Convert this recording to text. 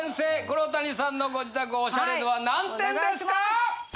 黒谷さんのご自宅オシャレ度は何点ですか？